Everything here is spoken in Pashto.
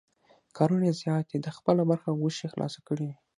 کارونه یې زیات دي، ده خپله برخه غوښې خلاصې کړې.